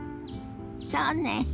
そうね。